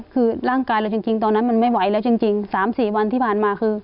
คือร่างกายเราจริงตอนนั้นมันไม่ไหวแล้วจริง๓๔วันที่ผ่านมาคือ